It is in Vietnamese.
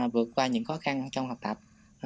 vượt qua những khó khăn trong học tập